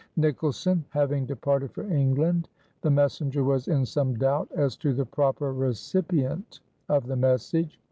Nicholson having departed for England, the messenger was in some doubt as to the proper recipient of the message.